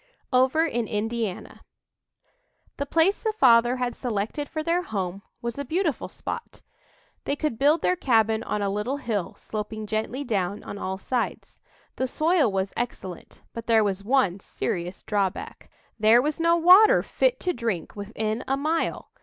OVER IN INDIANA The place the father had selected for their home was a beautiful spot. They could build their cabin on a little hill, sloping gently down on all sides. The soil was excellent, but there was one serious drawback there was no water fit to drink within a mile!